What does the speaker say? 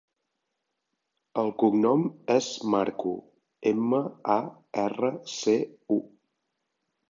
El cognom és Marcu: ema, a, erra, ce, u.